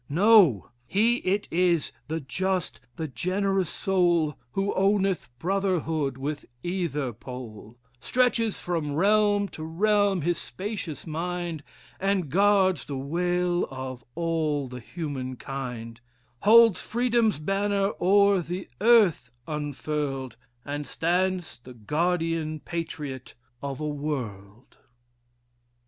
No! He it is, the just, the generous soul, Who owneth brotherhood with either pole, Stretches from realm to realm his spacious mind, And guards the weal of all the human kind Holds freedom's banner o'er the earth unfurl'd, And stands the guardian patriot of a world!"